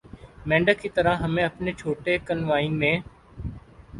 مینڈک کی طرح ہمیں اپنے چھوٹے کنوئیں میں